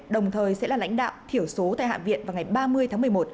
đồng thời sẽ là lãnh đạo thiểu số tại hạ viện vào ngày ba mươi tháng một mươi một